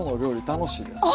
楽しいですわ。